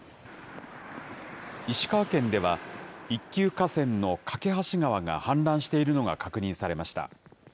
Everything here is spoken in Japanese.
石川県では、一級河川の梯川が氾濫しているのが確認されました。